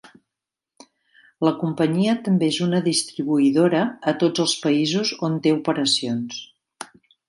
La Companyia també és una distribuïdora a tots els països on té operacions.